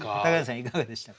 いかがでしたか？